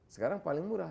sekarang paling murah